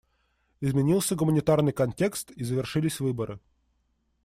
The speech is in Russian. Изменился гуманитарный контекст, и завершились выборы.